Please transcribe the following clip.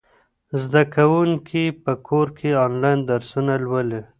زده کوونکي په کور کې آنلاین درسونه لولي.